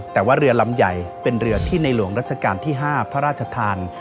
แต่ว่าเรือลำใหญ่เป็นเรือที่ในหลวงรัชกาลที่๕พระราชทาน